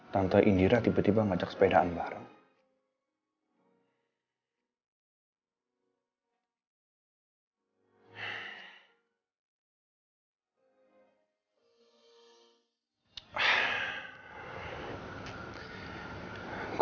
tante indira tiba tiba ngajak sepedaan bareng